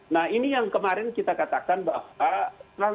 nah ini yang kemarin kita katakan bahwa